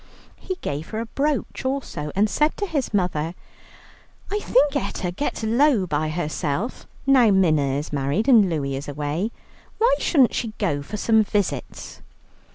He gave her a brooch also, and said to his mother, "I think Etta gets low by herself, now Minna is married and Louie is away. Why shouldn't she go for some visits?"